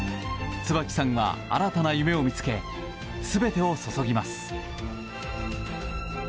椿さんは新たな夢を見つけ全てを注ぎます。